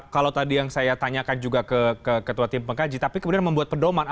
kalau tadi yang saya tanyakan juga ke ketua tim pengkaji tapi kemudian membuat pedoman